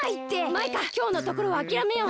マイカきょうのところはあきらめよう。